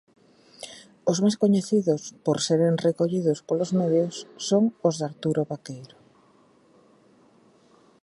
Os máis coñecidos, por seren recollidos polos medios, son os de Arturo Baqueiro.